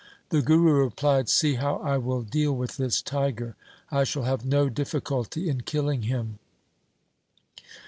The Guru replied, ' See how I will deal with this tiger. I shall have no difficulty in killing him.'